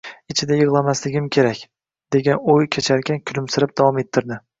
Ichida yigʻlamasligim kerak, degan oʻy kecharkan, kulimsirab davom ettirdi